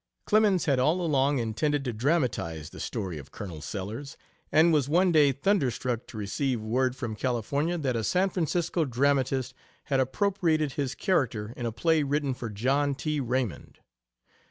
Clemens had all along intended to dramatize the story of Colonel Sellers, and was one day thunderstruck to receive word from California that a San Francisco dramatist had appropriated his character in a play written for John T. Raymond.